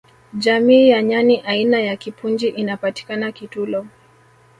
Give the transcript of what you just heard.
jamii ya nyani aina ya kipunji inapatikana kitulo